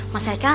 ya udah lah